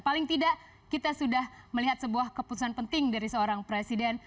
paling tidak kita sudah melihat sebuah keputusan penting dari seorang presiden